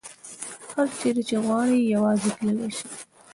هر چیرې چې وغواړي یوازې تللې شي.